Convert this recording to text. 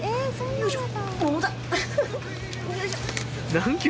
よいしょっ。